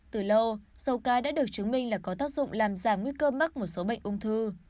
từ lâu sâu cai đã được chứng minh là có tác dụng làm giảm nguy cơ mắc một số bệnh ung thư